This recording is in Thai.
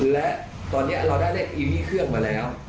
และตอนนี้เราได้เลขอีวีเครื่องมาแล้ว